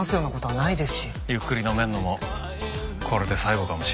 ゆっくり飲めるのもこれで最後かもしれねえ。